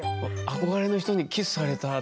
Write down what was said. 憧れの人にキスされた。